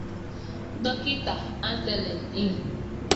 Dọkịta Anselm E